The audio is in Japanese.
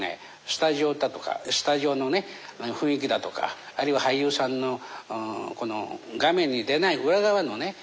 スタジオだとかスタジオの雰囲気だとかあるいは俳優さんの画面に出ない裏側のね